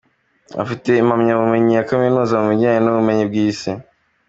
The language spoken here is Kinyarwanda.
Afite impamyabumenyi ya Kaminuza mu bijyanye n’Ubumenyi bw’Isi.